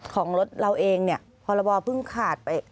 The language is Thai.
ของรถเราเองพอระบอเพิ่งขาดไป